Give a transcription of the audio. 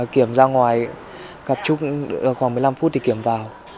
kiểm ra ngoài gặp trúc khoảng một mươi năm phút thì kiểm vào